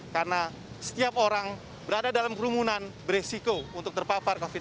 karena setiap orang berada dalam kerumunan berisiko untuk terpapar covid sembilan belas